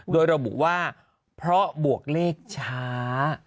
โดยระบุว่าเพราะบวกเลขช้า